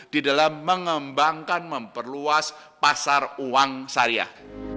di dalam mengembangkan memperluas pasar uang syariah